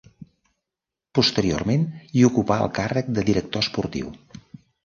Posteriorment, hi ocupà el càrrec de director esportiu.